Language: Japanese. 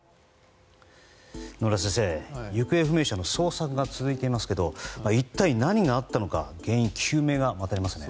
野村先生行方不明者の捜索が続いていますが一体何があったのか原因究明が待たれますね。